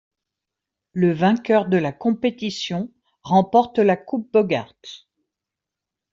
Le vainqueur de la compétition remporte la Coupe Bogart.